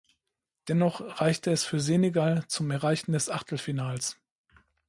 Dennoch reichte es für Senegal zum Erreichen des Achtelfinals.